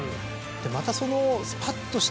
またその。